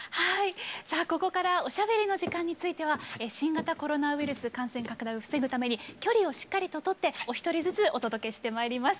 さあここからおしゃべりの時間については新型コロナウイルス感染拡大を防ぐために距離をしっかりととってお一人ずつお届けしてまいります。